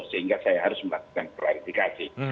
sehingga saya harus melakukan klarifikasi